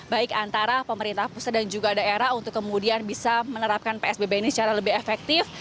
baik antara pemerintah pusat dan juga daerah untuk kemudian bisa menerapkan psbb ini secara lebih efektif